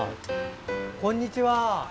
こんにちは！